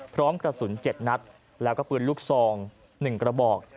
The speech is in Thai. พร้อมกระสุน๗นัดแล้วก็ปืนลูกซอง๑กระบอก